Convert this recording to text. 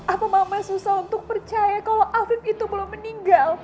apa mama susah untuk percaya kalau afif itu belum meninggal